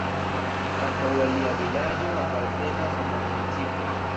Ankaŭ alia vilaĝo apartenas al la municipo.